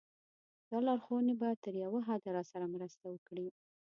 دا لارښوونې به تر یوه حده راسره مرسته وکړي.